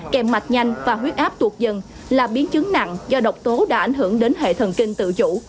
kèm mạch nhanh và huyết áp tụt dần là biến chứng nặng do độc tố đã ảnh hưởng đến hệ thần kinh tự chủ